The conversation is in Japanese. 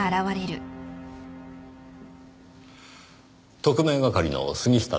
特命係の杉下です。